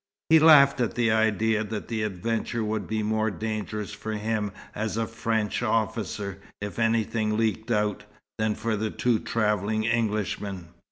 He laughed at the idea that the adventure would be more dangerous for him as a French officer, if anything leaked out, than for two travelling Englishmen.